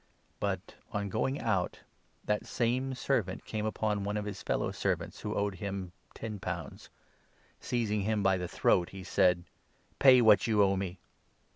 But, on going out, that same servant 28 came upon one of his fellow servants who owed him ten pounds. Seizing him by the throat, he said ' Pay what you owe me.'